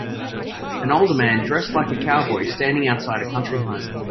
An older man dressed like a cowboy standing outside a country home.